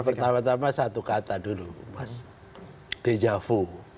pertama tama satu kata dulu mas dejavu